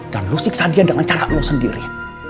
dan lo siksa dia dengan cara lo sendiri